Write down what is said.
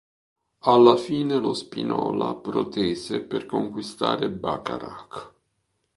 Alla fine lo Spinola protese per conquistare Bacharach.